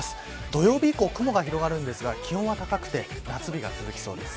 土曜日以降、雲が広がるんですが気温は高くて夏日が続きそうです。